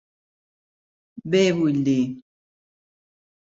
Bé, vull dir...